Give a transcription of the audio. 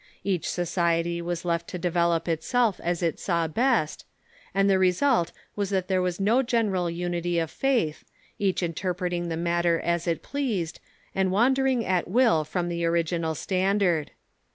Each society was left to develop itself as it saw best, and the result Avas that there was no general unity of faith, each interpreting the matter as it pleased, and wandering at will from the original standard.